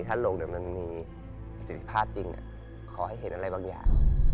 ถ้าโลกมันมีศิษย์ภาพจริงขอให้เห็นอะไรบางอย่าง